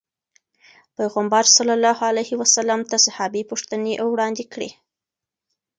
پيغمبر صلي الله علیه وسلم ته صحابي پوښتنې وړاندې کړې.